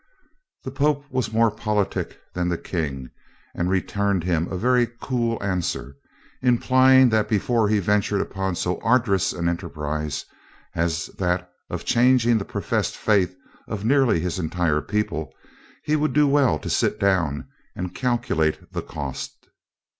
The pope was more politic than the king and returned him a very cool answer, implying that before he ventured upon so arduous an enterprise as that of changing the professed faith of nearly his entire people, he would do well to sit down and calculate the cost.